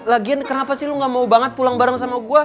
lagian kenapa sih lo gak mau banget pulang bareng sama gue